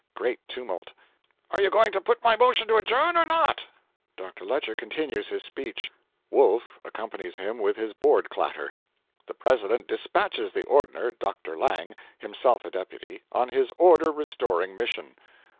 (Great tumult.) Are you going to put my motion to adjourn, or not?' Dr. Lecher continues his speech. Wolf accompanies him with his board clatter. The President despatches the Ordner, Dr. Lang (himself a deputy), on his order restoring mission.